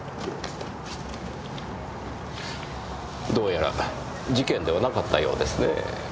どうやら事件ではなかったようですねぇ。